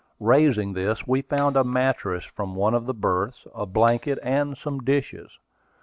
Raising this, we found a mattress from one of the berths, a blanket, and some dishes.